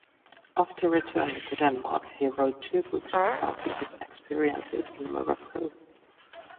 After returning to Denmark, he wrote two books recounting his experiences in Morocco.